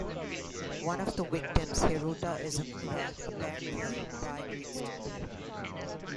One of the victims, Hirota Isomura, apparently died instantly.